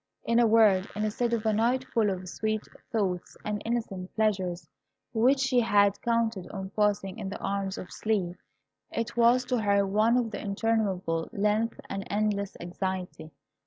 In a word, instead of a night full of sweet thoughts and innocent pleasures, which she had counted on passing in the arms of sleep, it was to her one of interminable length and endless anxiety.